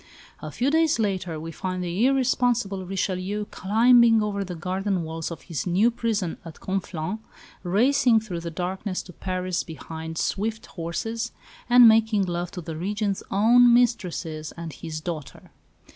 A few days later we find the irresponsible Richelieu climbing over the garden walls of his new "prison" at Conflans, racing through the darkness to Paris behind swift horses, and making love to the Regent's own mistresses and his daughter!